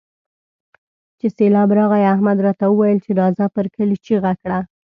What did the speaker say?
چې سېبلاب راغی؛ احمد راته وويل چې راځه پر کلي چيغه کړه.